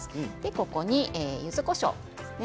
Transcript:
ここに、ゆずこしょうですね。